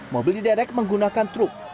mobil diderek menggunakan truk